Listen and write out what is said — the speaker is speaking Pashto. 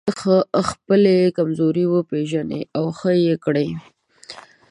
خپلې کمزورۍ وپېژنئ او ښه يې کړئ.